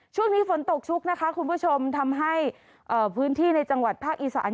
ช่วงนี้ฝนตกชุกนะคะคุณผู้ชมทำให้พื้นที่ในจังหวัดภาคอีสาน